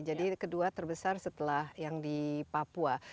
jadi kedua terbesar setelah yang di papua